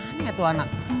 ah ini ya tuanak